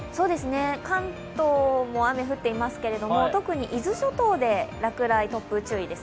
関東も雨、降っていますけど、特に伊豆諸島で落雷、突風注意です。